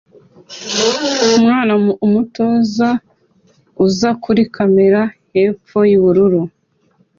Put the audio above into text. Umwana muto uza kuri kamera hepfo yubururu